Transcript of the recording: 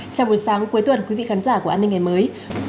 trong buổi sáng cuối tuần quý vị khán giả của an ninh ngày mới